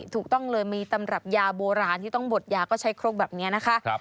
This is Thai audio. ถูกต้องเลยมีตำรับยาโบราณที่ต้องบดยาก็ใช้ครกแบบนี้นะคะ